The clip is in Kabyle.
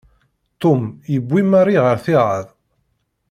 Ṭum yewwi Mari ɣer ttiɛad.